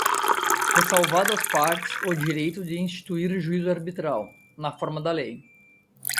ressalvado às partes o direito de instituir juízo arbitral, na forma da lei.